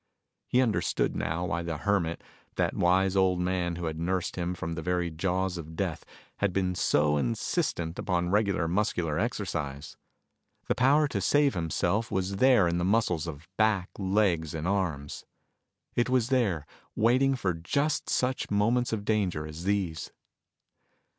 He understood now why the Hermit, that wise old man who had nursed him from the very jaws of death, had been so insistent upon regular muscular exercise. The power to save himself was there in the muscles of back, legs and arms. It was there, waiting for just such moments of danger as these.